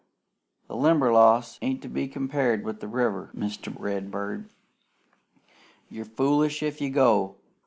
the Limberlost ain't to be compared with the river, Mr. Redbird. You're foolish if you go!